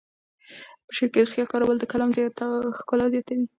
په شعر کې د خیال کارول د کلام ښکلا زیاتوي.